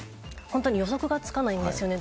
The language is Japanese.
本当に予測がつかないんですよね。